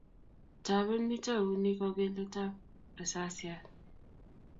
Taben mito huni kogeliet tab risasiat